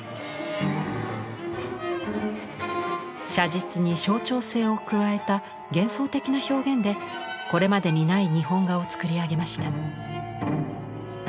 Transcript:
写実に象徴性を加えた幻想的な表現でこれまでにない日本画を作り上げました。